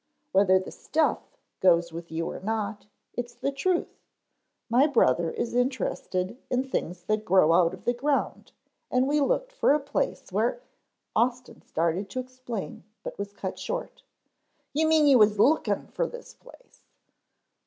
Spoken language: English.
Whether the 'stuff' goes with you or not, it's the truth. My brother is interested in things that grow out of the ground and we looked for a place where " Austin started to explain, but was cut short. "You mean you was lookin' fer this place."